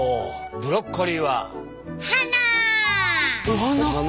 お花？